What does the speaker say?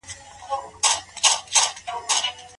د سياستپوهني د بنسټيزو دندو پېژندل اړين کار دی.